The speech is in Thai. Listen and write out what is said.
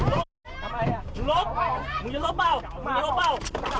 ลุกลุกมึงจะลุกเปล่ามึงจะลุกเปล่า